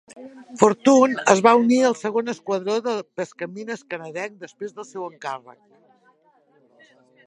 "Fortune" es va unir al Segon Esquadró de Pescamines Canadenc després del seu encàrrec.